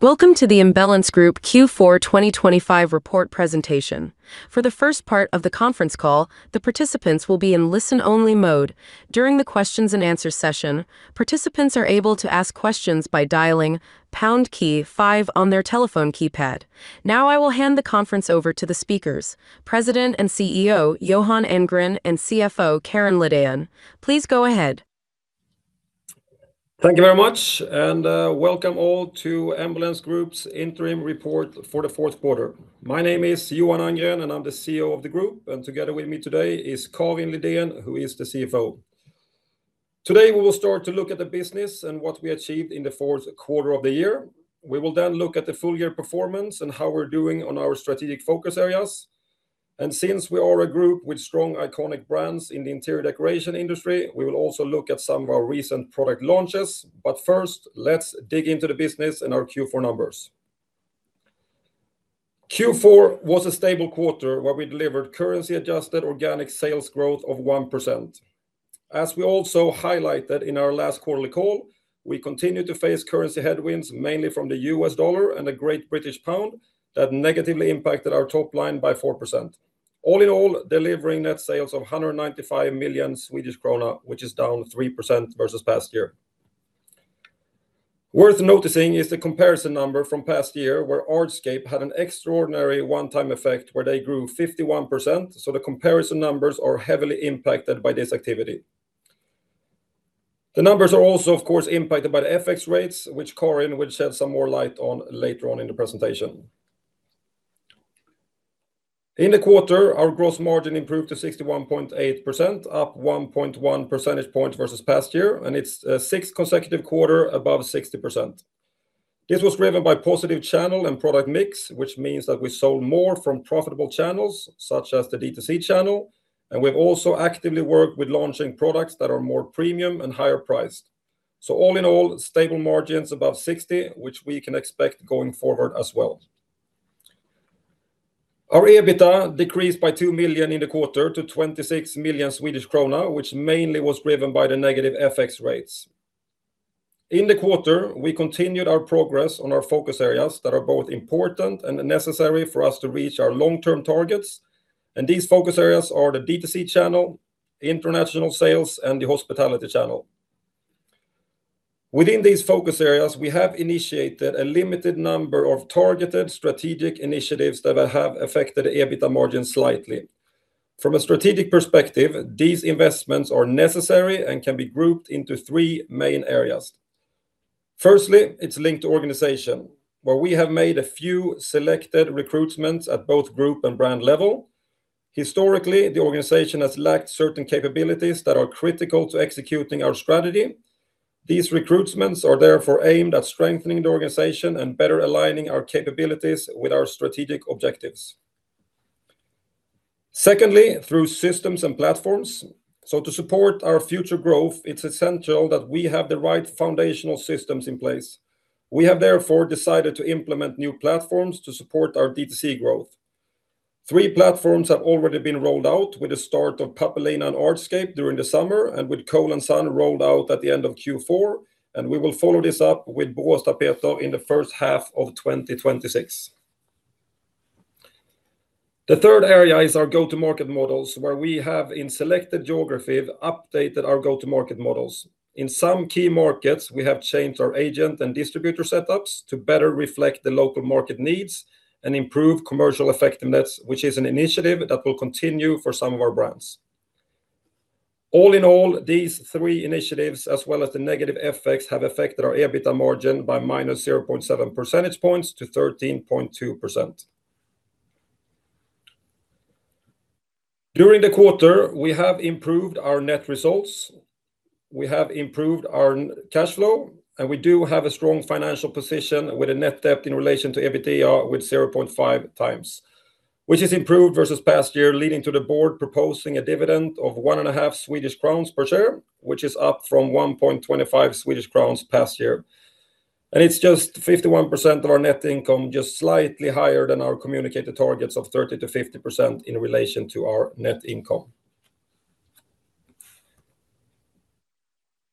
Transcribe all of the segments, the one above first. Welcome to the Embellence Group Q4 2025 report presentation. For the first part of the conference call, the participants will be in listen-only mode. During the questions and answer session, participants are able to ask questions by dialing pound key five on their telephone keypad. Now, I will hand the conference over to the speakers, President and CEO Johan Andgren, and CFO Karin Lidén. Please go ahead. Thank you very much, and welcome all to Embellence Group's interim report for the fourth quarter. My name is Johan Andgren, and I'm the CEO of the group, and together with me today is Karin Lidén, who is the CFO. Today, we will start to look at the business and what we achieved in the fourth quarter of the year. We will then look at the full year performance and how we're doing on our strategic focus areas. And since we are a group with strong, iconic brands in the interior decoration industry, we will also look at some of our recent product launches. But first, let's dig into the business and our Q4 numbers. Q4 was a stable quarter, where we delivered currency-adjusted organic sales growth of 1%. As we also highlighted in our last quarterly call, we continue to face currency headwinds, mainly from the US dollar and the British pound, that negatively impacted our top line by 4%. All in all, delivering net sales of 195 million Swedish krona, which is down 3% versus past year. Worth noticing is the comparison number from past year, where Artscape had an extraordinary one-time effect, where they grew 51%, so the comparison numbers are heavily impacted by this activity. The numbers are also, of course, impacted by the FX rates, which Karin will shed some more light on later on in the presentation. In the quarter, our gross margin improved to 61.8%, up 1.1 percentage points versus past year, and it's a sixth consecutive quarter above 60%. This was driven by positive channel and product mix, which means that we sold more from profitable channels, such as the D2C channel, and we've also actively worked with launching products that are more premium and higher priced. So all in all, stable margins above 60%, which we can expect going forward as well. Our EBITDA decreased by 2 million in the quarter to 26 million Swedish krona, which mainly was driven by the negative FX rates. In the quarter, we continued our progress on our focus areas that are both important and necessary for us to reach our long-term targets, and these focus areas are the D2C channel, international sales, and the hospitality channel. Within these focus areas, we have initiated a limited number of targeted strategic initiatives that will have affected EBITDA margin slightly. From a strategic perspective, these investments are necessary and can be grouped into three main areas. Firstly, it's linked to organization, where we have made a few selected recruitments at both group and brand level. Historically, the organization has lacked certain capabilities that are critical to executing our strategy. These recruitments are therefore aimed at strengthening the organization and better aligning our capabilities with our strategic objectives. Secondly, through systems and platforms. So to support our future growth, it's essential that we have the right foundational systems in place. We have therefore decided to implement new platforms to support our D2C growth. Three platforms have already been rolled out with the start of Pappelina and Artscape during the summer, and with Cole & Son rolled out at the end of Q4, and we will follow this up with Boråstapeter in the first half of 2026. The third area is our go-to-market models, where we have, in selected geography, updated our go-to-market models. In some key markets, we have changed our agent and distributor setups to better reflect the local market needs and improve commercial effectiveness, which is an initiative that will continue for some of our brands. All in all, these three initiatives, as well as the negative effects, have affected our EBITDA margin by minus 0.7 percentage points to 13.2%. During the quarter, we have improved our net results, we have improved our cash flow, and we do have a strong financial position with a net debt in relation to EBITDA with 0.5 times, which is improved versus past year, leading to the board proposing a dividend of 1.5 Swedish crowns per share, which is up from 1.25 Swedish crowns past year. It's just 51% of our net income, just slightly higher than our communicated targets of 30%-50% in relation to our net income.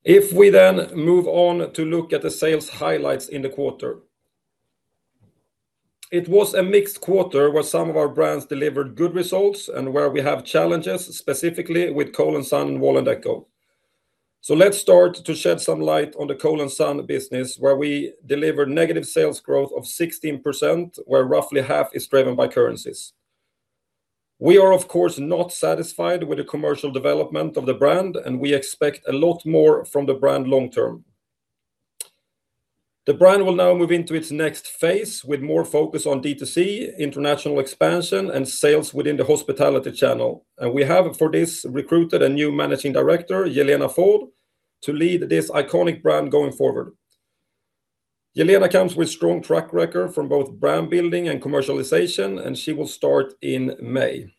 If we then move on to look at the sales highlights in the quarter, it was a mixed quarter, where some of our brands delivered good results and where we have challenges, specifically with Cole & Son and Wall&decò. Let's start to shed some light on the Cole & Son business, where we delivered negative sales growth of 16%, where roughly half is driven by currencies. We are, of course, not satisfied with the commercial development of the brand, and we expect a lot more from the brand long term. The brand will now move into its next phase, with more focus on D2C, international expansion, and sales within the hospitality channel, and we have, for this, recruited a new managing director, Yelena Fohl, to lead this iconic brand going forward. Yelena comes with strong track record from both brand building and commercialization, and she will start in May.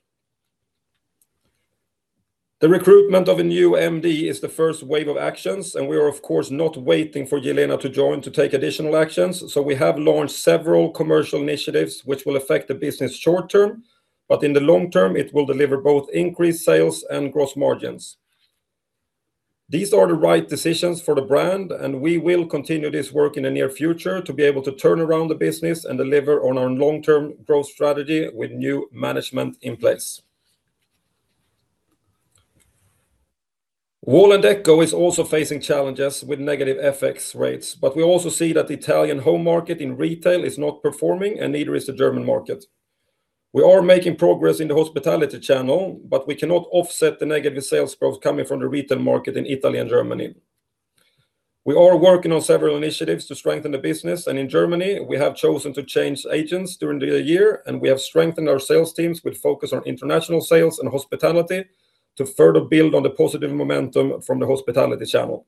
The recruitment of a new MD is the first wave of actions, and we are, of course, not waiting for Yelena to join to take additional actions. So we have launched several commercial initiatives, which will affect the business short term, but in the long term, it will deliver both increased sales and gross margins... These are the right decisions for the brand, and we will continue this work in the near future to be able to turn around the business and deliver on our long-term growth strategy with new management in place. Wall&decò is also facing challenges with negative FX rates, but we also see that the Italian home market in retail is not performing, and neither is the German market. We are making progress in the hospitality channel, but we cannot offset the negative sales growth coming from the retail market in Italy and Germany. We are working on several initiatives to strengthen the business, and in Germany, we have chosen to change agents during the year, and we have strengthened our sales teams with focus on international sales and hospitality to further build on the positive momentum from the hospitality channel.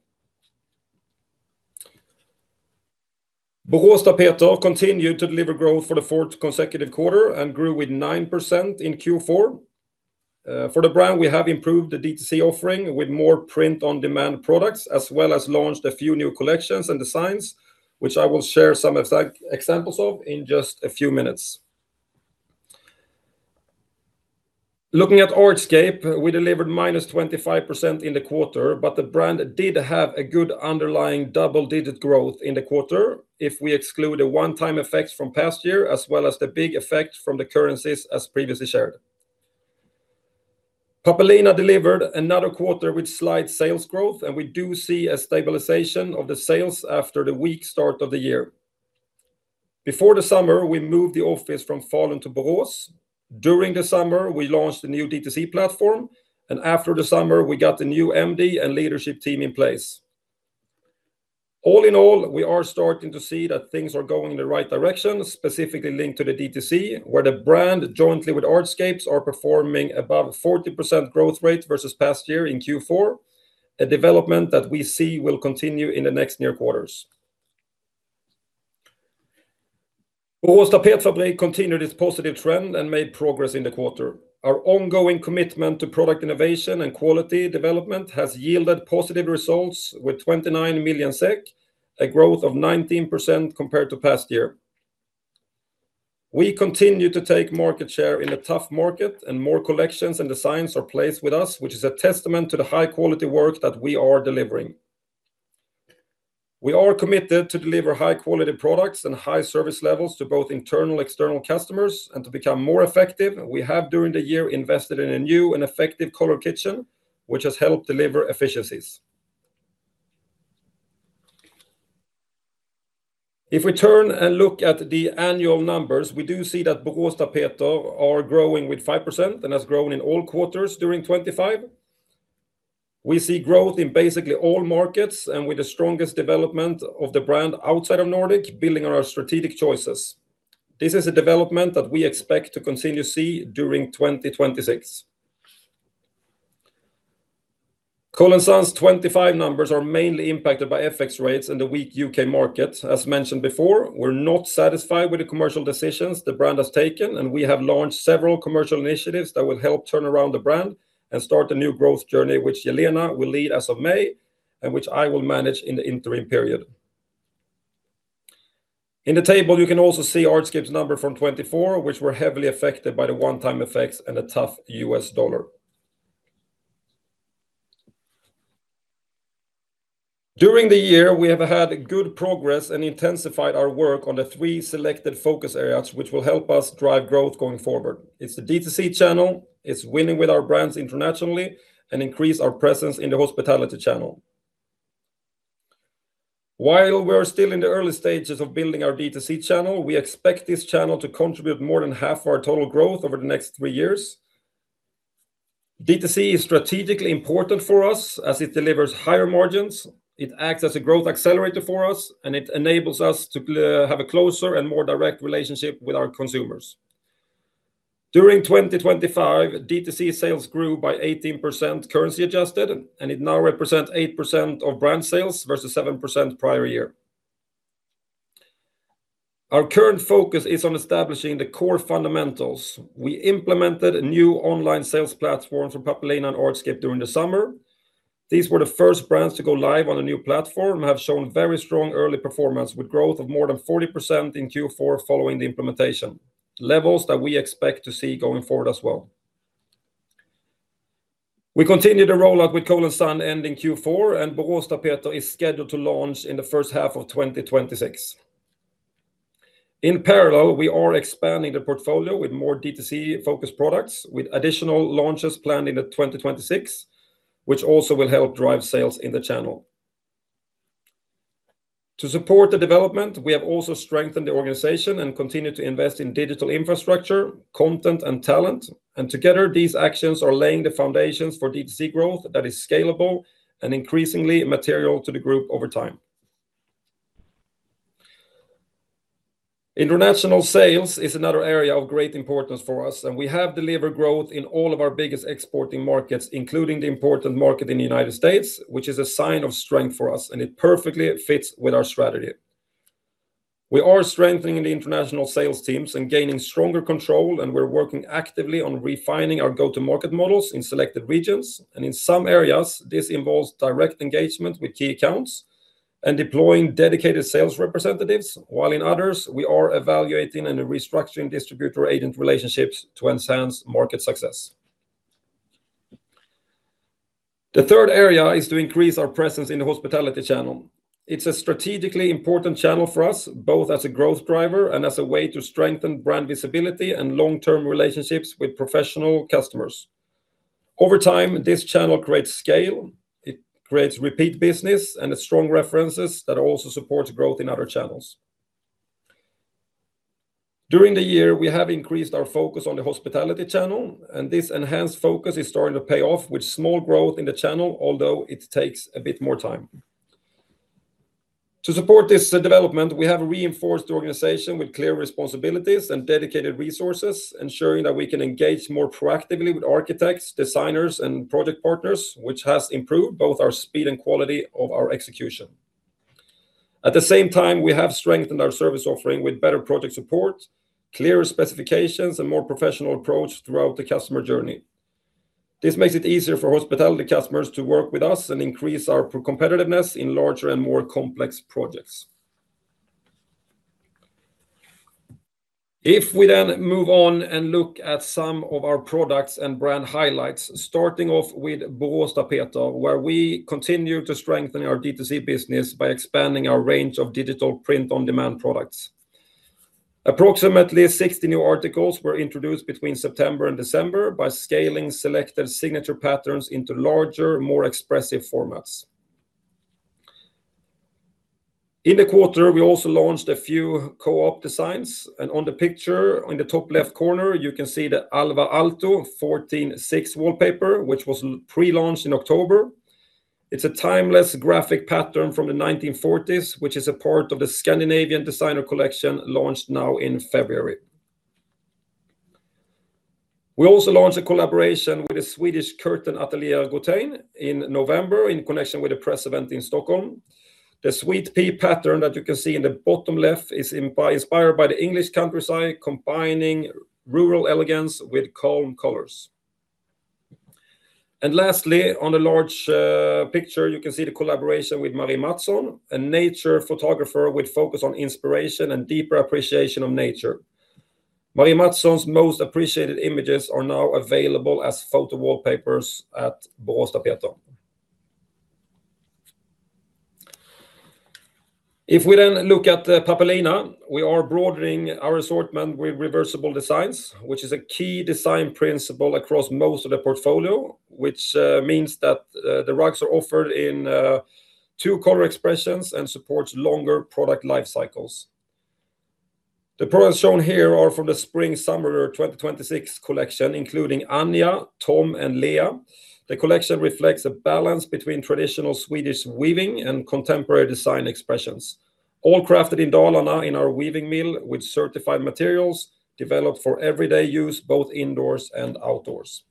Boråstapeter continued to deliver growth for the fourth consecutive quarter and grew with 9% in Q4. For the brand, we have improved the DTC offering with more print-on-demand products, as well as launched a few new collections and designs, which I will share some examples of in just a few minutes. Looking at Artscape, we delivered -25% in the quarter, but the brand did have a good underlying double-digit growth in the quarter if we exclude the one-time effects from past year, as well as the big effect from the currencies, as previously shared. Pappelina delivered another quarter with slight sales growth, and we do see a stabilization of the sales after the weak start of the year. Before the summer, we moved the office from Falun to Borås. During the summer, we launched a new DTC platform, and after the summer, we got the new MD and leadership team in place. All in all, we are starting to see that things are going in the right direction, specifically linked to the DTC, where the brand, jointly with Artscape, are performing above 40% growth rate versus past year in Q4, a development that we see will continue in the next near quarters. Boråstapeter continued its positive trend and made progress in the quarter. Our ongoing commitment to product innovation and quality development has yielded positive results, with 29 million SEK, a growth of 19% compared to past year. We continue to take market share in a tough market, and more collections and designs are placed with us, which is a testament to the high-quality work that we are delivering. We are committed to deliver high-quality products and high service levels to both internal, external customers, and to become more effective, we have, during the year, invested in a new and effective color kitchen, which has helped deliver efficiencies. If we turn and look at the annual numbers, we do see that Boråstapeter are growing with 5% and has grown in all quarters during 2025. We see growth in basically all markets and with the strongest development of the brand outside of Nordic, building on our strategic choices. This is a development that we expect to continue to see during 2026. Cole & Son's 2025 numbers are mainly impacted by FX rates and the weak UK market. As mentioned before, we're not satisfied with the commercial decisions the brand has taken, and we have launched several commercial initiatives that will help turn around the brand and start a new growth journey, which Yelena will lead as of May and which I will manage in the interim period. In the table, you can also see Artscape's number from 2024, which were heavily affected by the one-time effects and a tough U.S. dollar. During the year, we have had good progress and intensified our work on the three selected focus areas, which will help us drive growth going forward. It's the DTC channel, it's winning with our brands internationally, and increase our presence in the hospitality channel. While we are still in the early stages of building our DTC channel, we expect this channel to contribute more than half of our total growth over the next three years. D2C is strategically important for us as it delivers higher margins, it acts as a growth accelerator for us, and it enables us to have a closer and more direct relationship with our consumers. During 2025, D2C sales grew by 18%, currency adjusted, and it now represents 8% of brand sales versus 7% prior year. Our current focus is on establishing the core fundamentals. We implemented a new online sales platform for Pappelina and Artscape during the summer. These were the first brands to go live on the new platform and have shown very strong early performance, with growth of more than 40% in Q4 following the implementation, levels that we expect to see going forward as well. We continued the rollout with Cole & Son ending Q4, and Boråstapeter is scheduled to launch in the first half of 2026. In parallel, we are expanding the portfolio with more DTC-focused products, with additional launches planned in 2026, which also will help drive sales in the channel. To support the development, we have also strengthened the organization and continued to invest in digital infrastructure, content, and talent, and together, these actions are laying the foundations for DTC growth that is scalable and increasingly material to the group over time. International sales is another area of great importance for us, and we have delivered growth in all of our biggest exporting markets, including the important market in the United States, which is a sign of strength for us, and it perfectly fits with our strategy. We are strengthening the international sales teams and gaining stronger control, and we're working actively on refining our go-to-market models in selected regions, and in some areas, this involves direct engagement with key accounts. and deploying dedicated sales representatives, while in others, we are evaluating and restructuring distributor agent relationships to enhance market success. The third area is to increase our presence in the hospitality channel. It's a strategically important channel for us, both as a growth driver and as a way to strengthen brand visibility and long-term relationships with professional customers. Over time, this channel creates scale, it creates repeat business, and strong references that also supports growth in other channels. During the year, we have increased our focus on the hospitality channel, and this enhanced focus is starting to pay off with small growth in the channel, although it takes a bit more time. To support this development, we have a reinforced organization with clear responsibilities and dedicated resources, ensuring that we can engage more proactively with architects, designers, and project partners, which has improved both our speed and quality of our execution. At the same time, we have strengthened our service offering with better project support, clearer specifications, and more professional approach throughout the customer journey. This makes it easier for hospitality customers to work with us and increase our pro-competitiveness in larger and more complex projects. If we then move on and look at some of our products and brand highlights, starting off with Boråstapeter, where we continue to strengthen our D2C business by expanding our range of digital print-on-demand products. Approximately 60 new articles were introduced between September and December by scaling selected signature patterns into larger, more expressive formats. In the quarter, we also launched a few co-op designs, and on the picture, on the top left corner, you can see the Alvar Aalto 146 wallpaper, which was pre-launched in October. It's a timeless graphic pattern from the 1940s, which is a part of the Scandinavian Designers Collection, launched now in February. We also launched a collaboration with the Swedish curtain Atelier Gotain in November, in connection with a press event in Stockholm. The Sweet pea pattern that you can see in the bottom left is inspired by the English countryside, combining rural elegance with calm colors. And lastly, on the large picture, you can see the collaboration with Marie Mattsson, a nature photographer with focus on inspiration and deeper appreciation of nature. Marie Mattsson's most appreciated images are now available as photo wallpapers at Boråstapeter. If we then look at the Pappelina, we are broadening our assortment with reversible designs, which is a key design principle across most of the portfolio, which means that the rugs are offered in two color expressions and supports longer product life cycles. The products shown here are from the spring/summer 2026 collection, including Anja, Tom, and Lea. The collection reflects a balance between traditional Swedish weaving and contemporary design expressions, all crafted in Dalarna in our weaving mill with certified materials, developed for everyday use, both indoors and outdoors.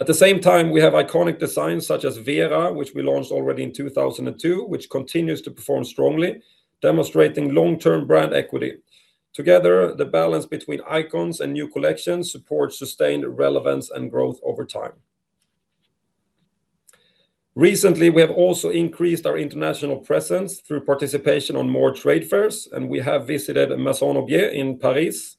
At the same time, we have iconic designs such as Vera, which we launched already in 2002, which continues to perform strongly, demonstrating long-term brand equity. Together, the balance between icons and new collections supports sustained relevance and growth over time. Recently, we have also increased our international presence through participation on more trade fairs, and we have visited Maison&Objet in Paris,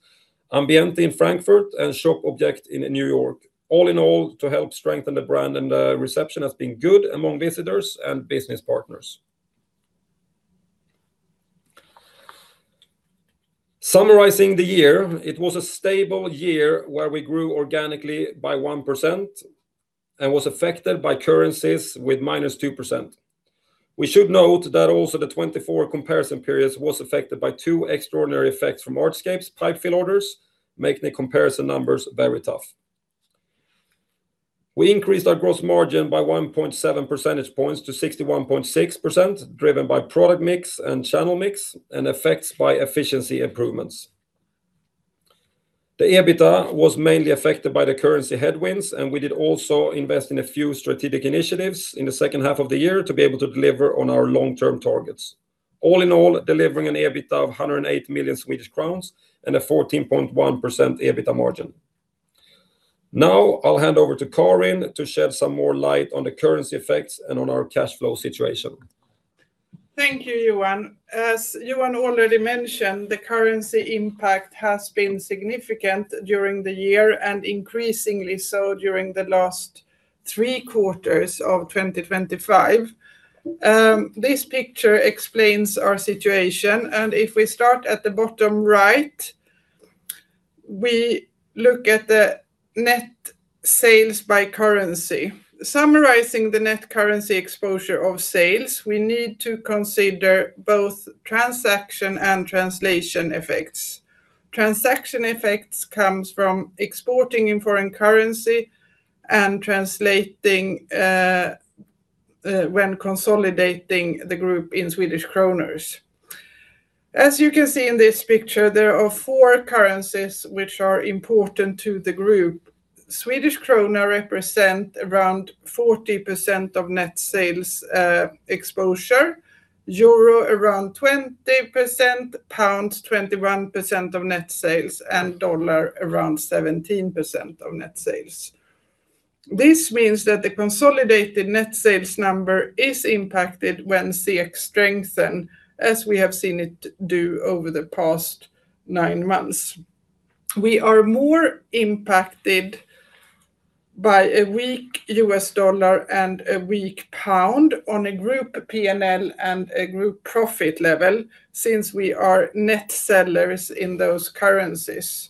Ambiente in Frankfurt, and Shoppe Object in New York. All in all, to help strengthen the brand, and the reception has been good among visitors and business partners. Summarizing the year, it was a stable year where we grew organically by 1% and was affected by currencies with -2%. We should note that also, the 2024 comparison periods was affected by two extraordinary effects from Artscape's pipe fill orders, making the comparison numbers very tough. We increased our gross margin by 1.7 percentage points to 61.6%, driven by product mix and channel mix, and effects by efficiency improvements. The EBITDA was mainly affected by the currency headwinds, and we did also invest in a few strategic initiatives in the second half of the year to be able to deliver on our long-term targets. All in all, delivering an EBITDA of 108 million Swedish crowns and a 14.1% EBITDA margin. Now, I'll hand over to Karin to shed some more light on the currency effects and on our cash flow situation. Thank you, Johan. As Johan already mentioned, the currency impact has been significant during the year and increasingly so during the last three quarters of 2025. This picture explains our situation, and if we start at the bottom right, we look at the net sales by currency. Summarizing the net currency exposure of sales, we need to consider both transaction and translation effects. Transaction effects comes from exporting in foreign currency and translating when consolidating the group in Swedish kronor. As you can see in this picture, there are four currencies which are important to the group. Swedish kronor represent around 40% of net sales exposure, euro around 20%, pounds 21% of net sales, and dollar around 17% of net sales.... This means that the consolidated net sales number is impacted when SEK strengthens, as we have seen it do over the past nine months. We are more impacted by a weak U.S. dollar and a weak pound on a group PNL and a group profit level since we are net sellers in those currencies.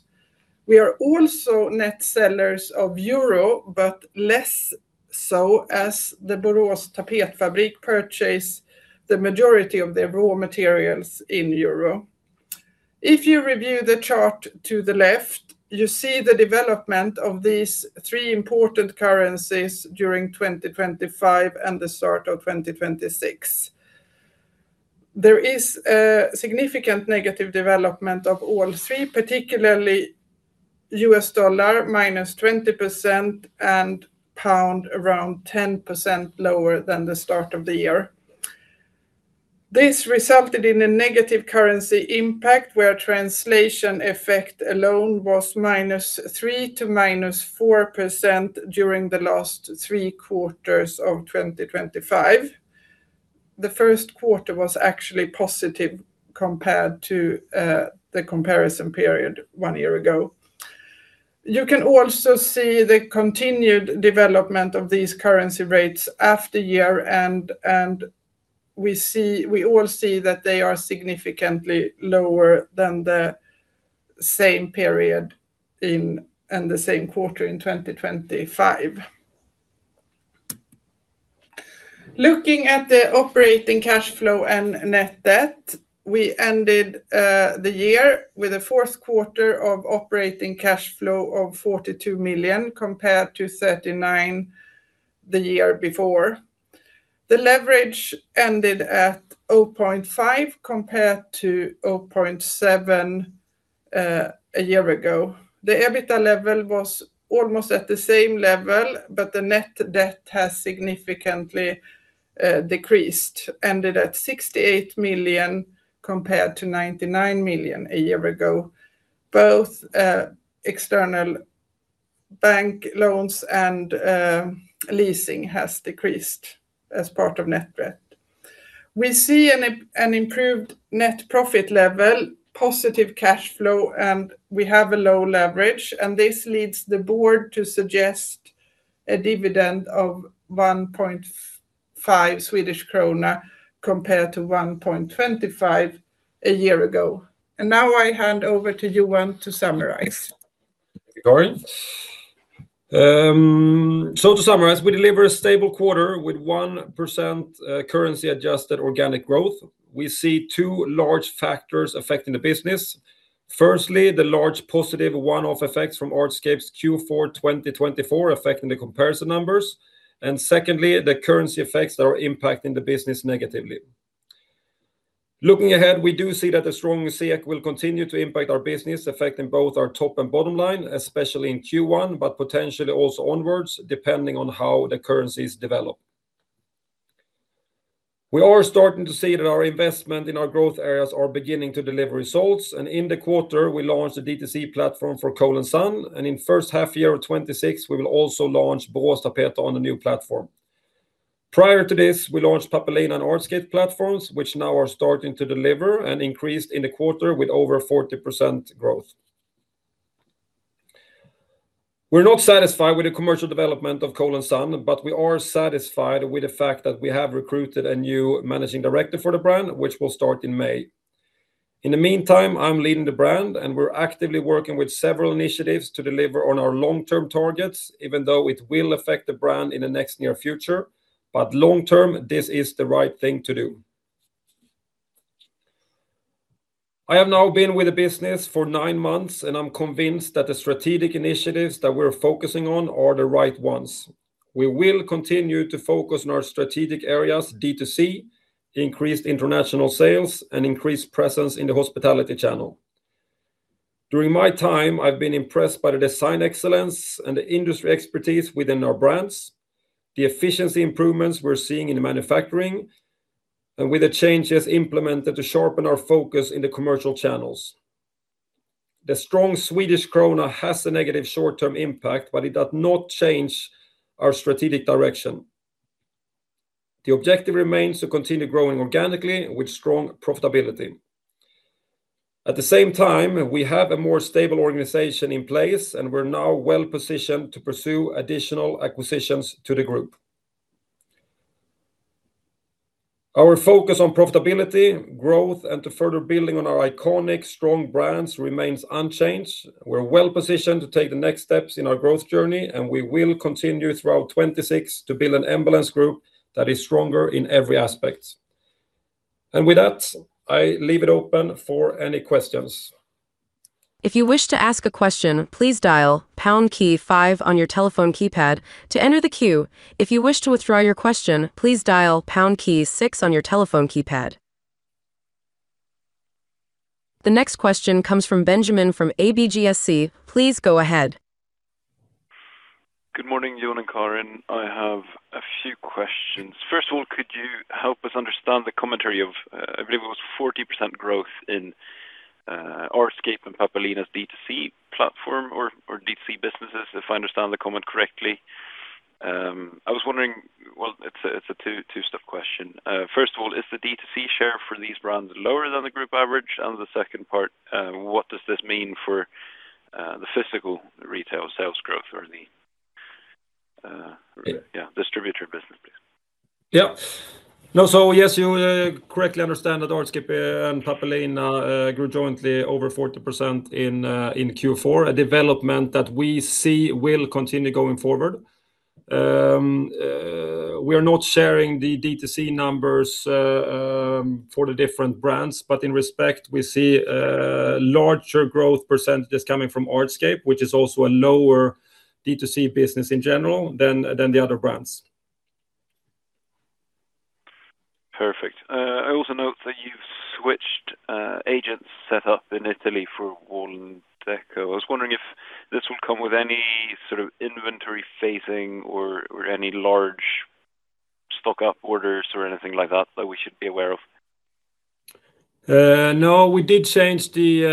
We are also net sellers of euro, but less so as the Borås Tapetfabrik purchases the majority of their raw materials in euro. If you review the chart to the left, you see the development of these three important currencies during 2025 and the start of 2026. There is a significant negative development of all three, particularly U.S. dollar, -20% and pound around 10% lower than the start of the year. This resulted in a negative currency impact, where translation effect alone was -3% to -4% during the last three quarters of 2025. The first quarter was actually positive compared to the comparison period one year ago. You can also see the continued development of these currency rates after year, and we see we all see that they are significantly lower than the same period in and the same quarter in 2025. Looking at the operating cash flow and net debt, we ended the year with a fourth quarter of operating cash flow of 42 million, compared to 39 million the year before. The leverage ended at 0.5, compared to 0.7 a year ago. The EBITDA level was almost at the same level, but the net debt has significantly decreased, ended at 68 million, compared to 99 million a year ago. Both external bank loans and leasing has decreased as part of net debt. We see an improved net profit level, positive cash flow, and we have a low leverage, and this leads the board to suggest a dividend of 1.5 Swedish krona, compared to 1.25 SEK a year ago. And now I hand over to Johan to summarize. Thank you, Karin. So to summarize, we deliver a stable quarter with 1%, currency-adjusted organic growth. We see two large factors affecting the business. Firstly, the large positive one-off effects from Artscape's Q4 2024 affecting the comparison numbers, and secondly, the currency effects that are impacting the business negatively. Looking ahead, we do see that the strong SEK will continue to impact our business, affecting both our top and bottom line, especially in Q1, but potentially also onwards, depending on how the currencies develop. We are starting to see that our investment in our growth areas are beginning to deliver results, and in the quarter, we launched a D2C platform for Cole & Son, and in first half year of 2026, we will also launch Boråstapeter on a new platform. Prior to this, we launched Pappelina and Artscape platforms, which now are starting to deliver and increased in the quarter with over 40% growth. We're not satisfied with the commercial development of Cole & Son, but we are satisfied with the fact that we have recruited a new managing director for the brand, which will start in May. In the meantime, I'm leading the brand, and we're actively working with several initiatives to deliver on our long-term targets, even though it will affect the brand in the next near future. But long term, this is the right thing to do. I have now been with the business for nine months, and I'm convinced that the strategic initiatives that we're focusing on are the right ones. We will continue to focus on our strategic areas, D2C, increased international sales, and increased presence in the hospitality channel. During my time, I've been impressed by the design excellence and the industry expertise within our brands, the efficiency improvements we're seeing in the manufacturing, and with the changes implemented to sharpen our focus in the commercial channels. The strong Swedish krona has a negative short-term impact, but it does not change our strategic direction. The objective remains to continue growing organically with strong profitability. At the same time, we have a more stable organization in place, and we're now well positioned to pursue additional acquisitions to the group. Our focus on profitability, growth, and to further building on our iconic strong brands remains unchanged. We're well positioned to take the next steps in our growth journey, and we will continue throughout 2026 to build an Embellence Group that is stronger in every aspect. With that, I leave it open for any questions. If you wish to ask a question, please dial pound key five on your telephone keypad to enter the queue. If you wish to withdraw your question, please dial pound key six on your telephone keypad. The next question comes from Benjamin from ABGSC. Please go ahead. Good morning, Johan and Karin. I have a few questions. First of all, could you help us understand the commentary of, I believe it was 40% growth in Artscape and Pappelina's D2C platform or D2C businesses, if I understand the comment correctly. I was wondering, well, it's a two-step question. First of all, is the D2C share for these brands lower than the group average? And the second part, what does this mean for the physical retail sales growth or the, yeah, distributor business, please? Yeah. No, so yes, you correctly understand that Artscape and Pappelina grew jointly over 40% in Q4, a development that we see will continue going forward. We are not sharing the D2C numbers for the different brands, but in respect, we see larger growth percentages coming from Artscape, which is also a lower D2C business in general than the other brands. Perfect. I also note that you've switched agents set up in Italy for Wall&decò. I was wondering if this will come with any sort of inventory phasing or, or any large stock up orders or anything like that, that we should be aware of? No, we did change the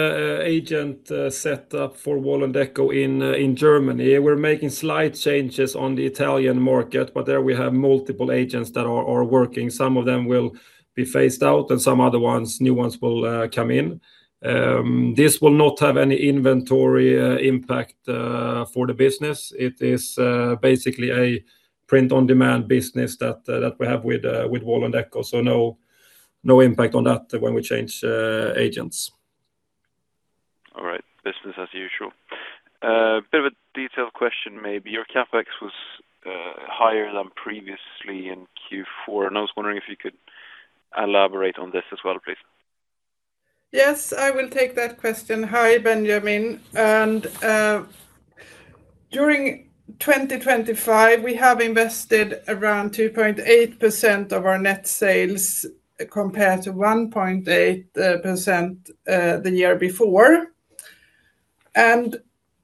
agent set up for Wall&decò in Germany. We're making slight changes on the Italian market, but there we have multiple agents that are working. Some of them will be phased out, and some other ones, new ones will come in. This will not have any inventory impact for the business. It is basically a print-on-demand business that we have with Wall&decò, so no impact on that when we change agents. All right, business as usual. Bit of a detailed question maybe. Your CapEx was higher than previously in Q4, and I was wondering if you could elaborate on this as well, please? Yes, I will take that question. Hi, Benjamin. During 2025, we have invested around 2.8% of our net sales, compared to 1.8% the year before.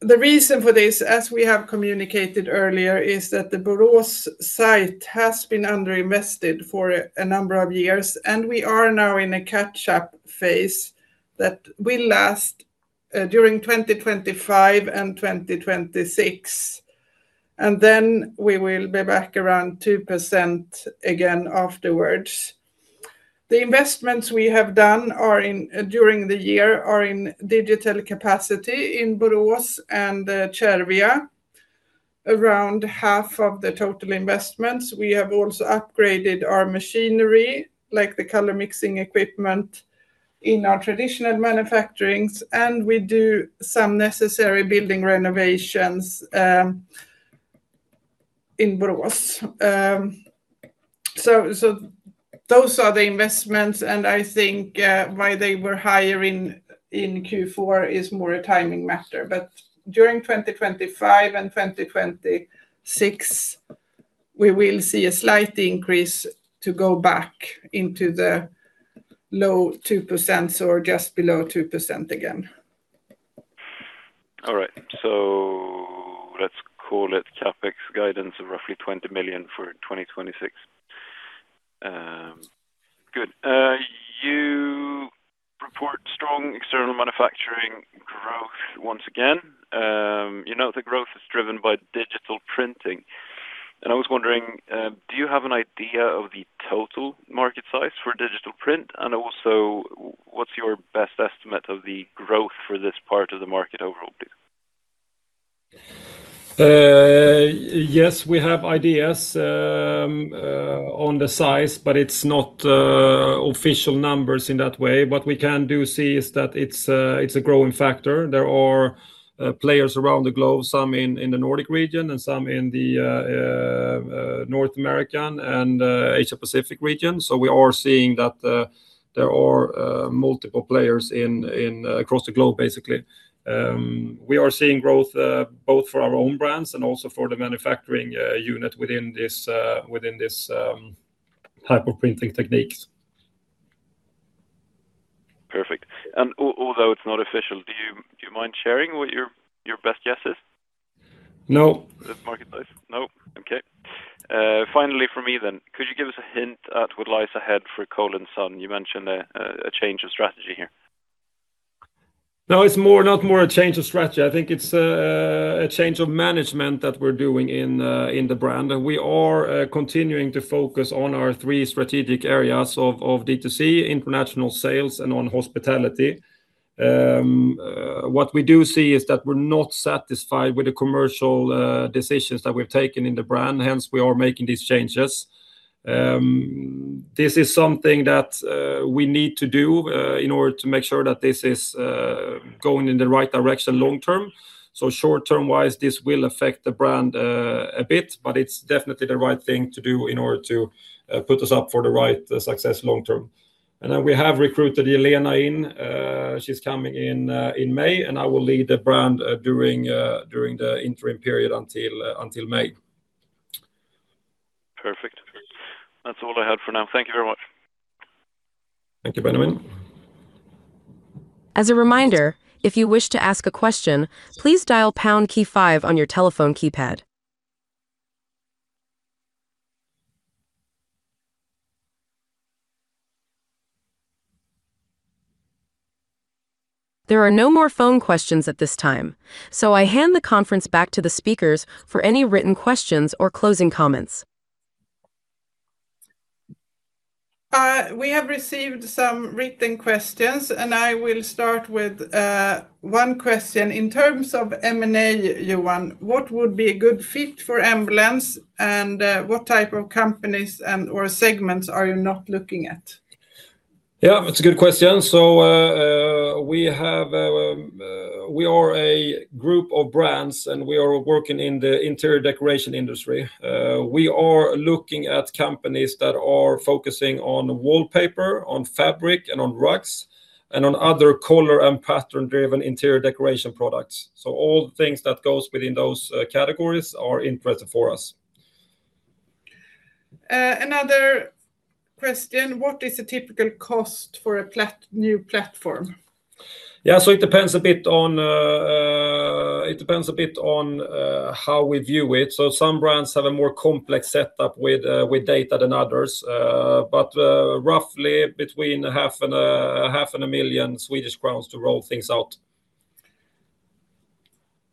The reason for this, as we have communicated earlier, is that the Borås site has been underinvested for a number of years, and we are now in a catch-up phase that will last during 2025 and 2026, and then we will be back around 2% again afterwards. The investments we have done during the year are in digital capacity in Borås and Serbia. Around half of the total investments, we have also upgraded our machinery, like the color mixing equipment in our traditional manufacturings, and we do some necessary building renovations in Borås. So, those are the investments, and I think why they were higher in Q4 is more a timing matter. But during 2025 and 2026, we will see a slight increase to go back into the low 2% or just below 2% again. All right, so let's call it CapEx guidance of roughly 20 million for 2026. Good. You report strong external manufacturing growth once again. You know, the growth is driven by digital printing, and I was wondering, do you have an idea of the total market size for digital print? And also, what's your best estimate of the growth for this part of the market overall, please? Yes, we have ideas on the size, but it's not official numbers in that way. What we can do see is that it's a growing factor. There are players around the globe, some in the Nordic region and some in the North American and Asia Pacific region. So we are seeing that there are multiple players across the globe, basically. We are seeing growth both for our own brands and also for the manufacturing unit within this type of printing techniques. Perfect. And although it's not official, do you mind sharing what your best guess is? No. This market size? No. Okay. Finally, for me then, could you give us a hint at what lies ahead for Cole & Son? You mentioned a, a change of strategy here. No, it's more not a change of strategy. I think it's a change of management that we're doing in the brand, and we are continuing to focus on our three strategic areas of D2C, international sales, and on hospitality. What we do see is that we're not satisfied with the commercial decisions that we've taken in the brand, hence, we are making these changes. This is something that we need to do in order to make sure that this is going in the right direction long term. So short term wise, this will affect the brand a bit, but it's definitely the right thing to do in order to put us up for the right success long term. Then we have recruited Yelena. She's coming in May, and I will lead the brand during the interim period until May. Perfect. That's all I had for now. Thank you very much. Thank you, Benjamin. As a reminder, if you wish to ask a question, please dial pound key five on your telephone keypad. There are no more phone questions at this time, so I hand the conference back to the speakers for any written questions or closing comments. We have received some written questions, and I will start with one question. In terms of M&A, Johan, what would be a good fit for Embellence, and what type of companies and or segments are you not looking at? Yeah, it's a good question. So, we have, we are a group of brands, and we are working in the interior decoration industry. We are looking at companies that are focusing on wallpaper, on fabric, and on rugs, and on other color and pattern-driven interior decoration products. So all things that goes within those categories are interesting for us. Another question: What is the typical cost for a new platform? Yeah, so it depends a bit on how we view it. So some brands have a more complex setup with data than others. But roughly between 0.5 million Swedish crowns and SEK 1 million to roll things out.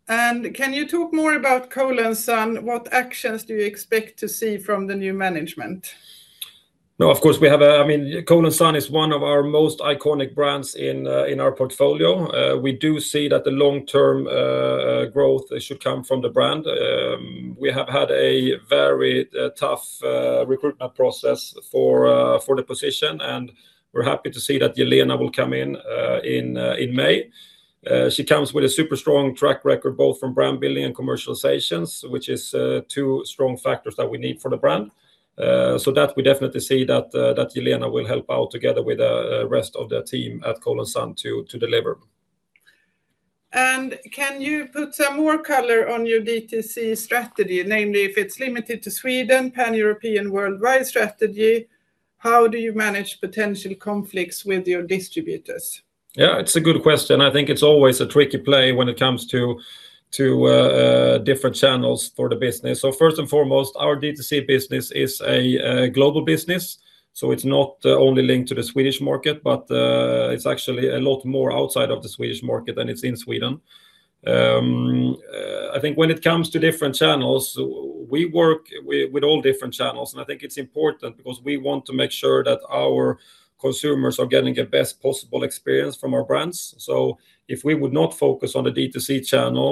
Can you talk more about Cole & Son? What actions do you expect to see from the new management? No, of course, we have a... I mean, Cole & Son is one of our most iconic brands in our portfolio. We do see that the long-term growth should come from the brand. We have had a very tough recruitment process for the position, and we're happy to see that Yelena will come in in May. She comes with a super strong track record, both from brand building and commercializations, which is two strong factors that we need for the brand. So that we definitely see that that Yelena will help out together with the rest of the team at Cole & Son to deliver. Can you put some more color on your DTC strategy, namely if it's limited to Sweden, Pan-European, worldwide strategy? How do you manage potential conflicts with your distributors? Yeah, it's a good question. I think it's always a tricky play when it comes to different channels for the business. So first and foremost, our DTC business is a global business, so it's not only linked to the Swedish market, but it's actually a lot more outside of the Swedish market than it's in Sweden. I think when it comes to different channels, we work with all different channels, and I think it's important because we want to make sure that our consumers are getting the best possible experience from our brands. So if we would not focus on the DTC channel,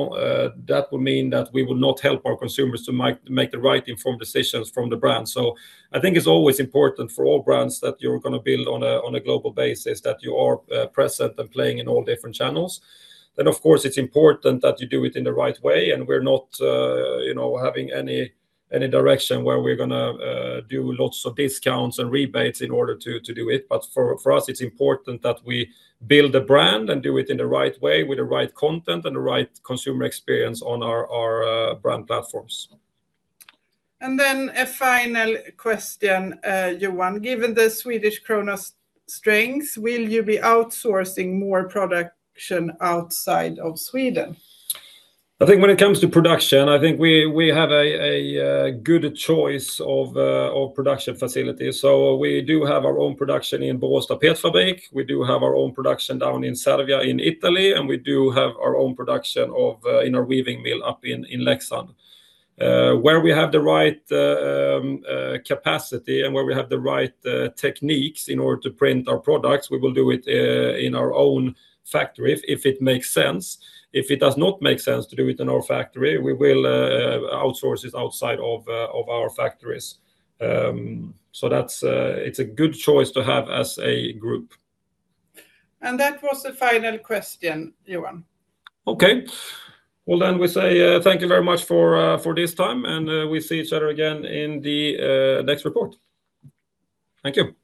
that would mean that we would not help our consumers to make the right informed decisions from the brand. So I think it's always important for all brands that you're gonna build on a global basis, that you are present and playing in all different channels. Then, of course, it's important that you do it in the right way, and we're not you know having any direction where we're gonna do lots of discounts and rebates in order to do it. But for us, it's important that we build the brand and do it in the right way with the right content and the right consumer experience on our brand platforms. A final question, Johan. Given the Swedish krona strength, will you b e outsourcing more production outside of Sweden? I think when it comes to production, I think we have a good choice of production facilities. So we do have our own production in Borås Tapetfabrik. We do have our own production down in Serbia, in Italy, and we do have our own production of in our weaving mill up in Leksand. Where we have the right capacity and where we have the right techniques in order to print our products, we will do it in our own factories if it makes sense. If it does not make sense to do it in our factory, we will outsource it outside of our factories. So that's it's a good choice to have as a group. That was the final question, Johan. Okay. Well, then we say, thank you very much for this time, and we see each other again in the next report. Thank you.